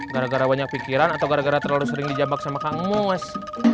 gara gara banyak pikiran atau gara gara terlalu sering di jambak sama kang mus